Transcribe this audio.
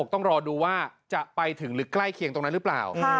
ต้องรอดูว่าจะไปถึงหรือใกล้เคียงตรงนั้นหรือเปล่า